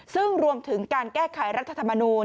ซึ่งรวมถึงการแก้ไขรัฐธรรมนูล